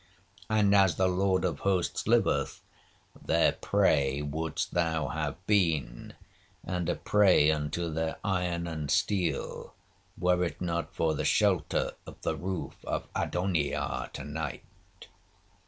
And, as the Lord of hosts liveth, their prey wouldst thou have been, and a prey unto their iron and steel, were it not for the shelter of the roof of Adonijah to night.'